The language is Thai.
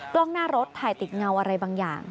กล้องหน้ารถถ่ายติดเงาอะไรบางอย่าง